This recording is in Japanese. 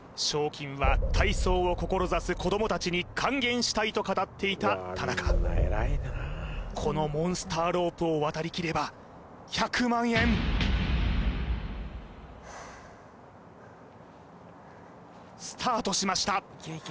賞金は体操を志す子ども達に還元したいと語っていた田中このモンスターロープを渡り切れば１００万円ふうスタートしました